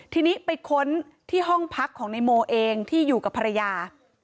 ทีนี้ไปค้นที่ห้องพักของนายโมเองที่อยู่กับภรรยา